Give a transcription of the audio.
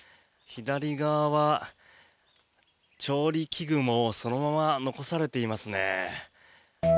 左側は調理器具もそのまま残されていますね。